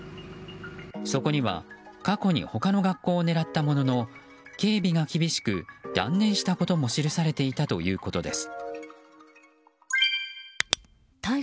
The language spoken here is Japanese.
そこには、過去に他の学校を狙ったものの警備が厳しく断念したことも記されていたということです。